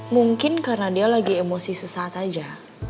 mungkin karena dia lagi emosi sesaat aja